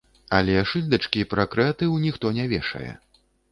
Але шыльдачкі пра крэатыў ніхто не вешае.